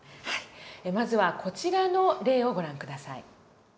まずはこちらの例をご覧下さい。